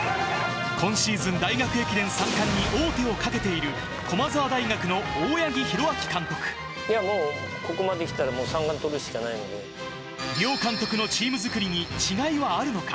今シーズン大学駅伝三冠に王手をかけている、いやもう、ここまできたらも両監督のチーム作りに違いはあるのか。